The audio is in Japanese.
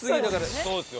そうですよ。